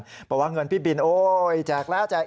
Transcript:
เพราะว่าเงินพี่บินโอ๊ยจากแล้วจาก